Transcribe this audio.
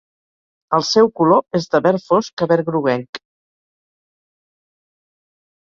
El seu color és de verd fosc a verd groguenc.